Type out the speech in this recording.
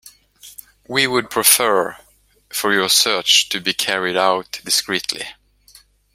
We would prefer for your search to be carried out discreetly.